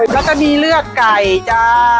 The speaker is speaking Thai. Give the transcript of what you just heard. แล้วก็มีเลือดไก่จ้า